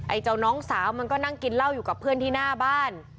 เจ้าน้องสาวมันก็นั่งกินเหล้าอยู่กับเพื่อนที่หน้าบ้าน